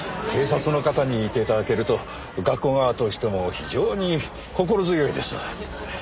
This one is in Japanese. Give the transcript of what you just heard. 警察の方にいて頂けると学校側としても非常に心強いです。